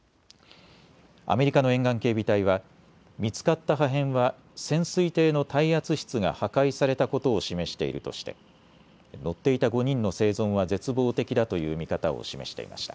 アメリカの沿岸警備隊は見つかった破片は潜水艇の耐圧室が破壊されたことを示しているとして乗っていた５人の生存は絶望的だという見方を示していました。